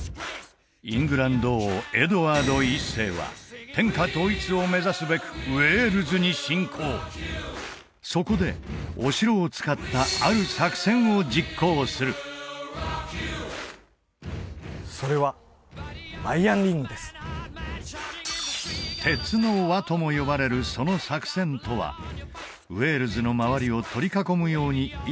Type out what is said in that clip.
イングランド王エドワード１世は天下統一を目指すべくウェールズに侵攻そこでお城を使ったある作戦を実行するそれはアイアンリングです鉄の輪とも呼ばれるその作戦とはウェールズの周りを取り囲むようにいくつもの城を造り